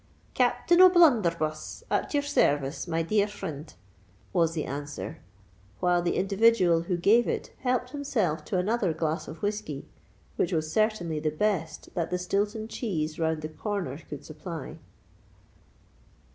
"Captain O'Blunderbuss, at your service, my dear frind," was the answer, while the individual who gave it helped himself to another glass of the whiskey, which was certainly the best that the Stilton Cheese round the corner could supply.